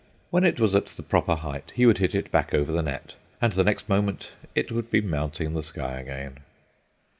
When it was at the proper height he would hit it back over the net, and the next moment it would be mounting the sky again.